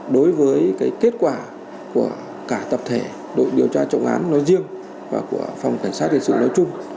đối với kết quả của cả tập thể đội điều tra trọng án nói riêng và của phòng cảnh sát hình sự nói chung